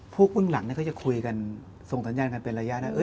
เบื้องหลังก็จะคุยกันส่งสัญญาณกันเป็นระยะนะ